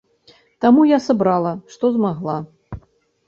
Таму я сабрала, што змагла.